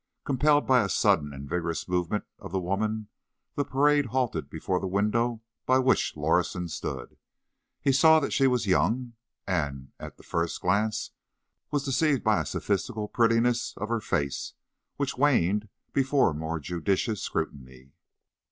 Compelled by a sudden and vigorous movement of the woman, the parade halted before the window by which Lorison stood. He saw that she was young, and, at the first glance, was deceived by a sophistical prettiness of her face, which waned before a more judicious scrutiny.